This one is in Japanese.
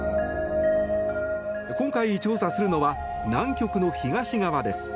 今回、調査するのは南極の東側です。